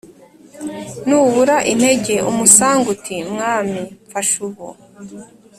n’ ubura integeumusange, uti : mwami, mfasha ubu !